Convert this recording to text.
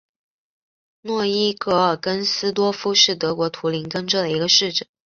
诺伊格尔恩斯多夫是德国图林根州的一个市镇。